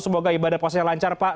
semoga ibadah puasanya lancar pak